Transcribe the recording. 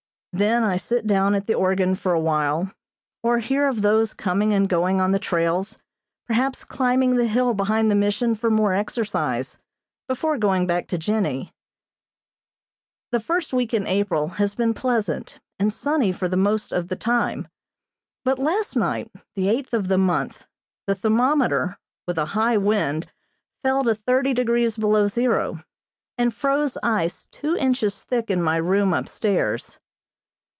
Then I sit down at the organ for a while, or hear of those coming and going on the trails, perhaps climbing the hill behind the Mission for more exercise before going back to Jennie. The first week in April has been pleasant, and sunny for the most of the time, but last night the eighth of the month, the thermometer, with a high wind, fell to thirty degrees below zero, and froze ice two inches thick in my room upstairs.